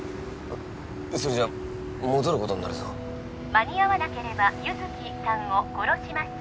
それじゃ戻ることになるぞ間に合わなければ優月さんを殺します